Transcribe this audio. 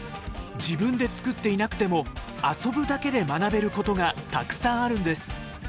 自分で作っていなくても遊ぶだけで学べることがたくさんあるんです。